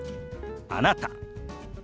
「あなた」。